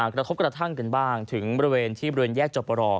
กระทบกระทั่งกันบ้างถึงบริเวณที่บริเวณแยกจบรอ